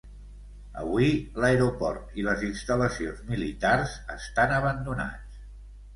Avui l'aeroport i les instal·lacions militars estan abandonats.